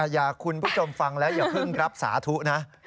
อยากคุณผู้ชมฟังแล้วอย่าเพิ่งรับสาธุนะ